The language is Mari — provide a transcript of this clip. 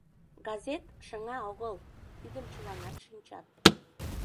Газет — шыҥа огыл, тидым чыланат шинчат.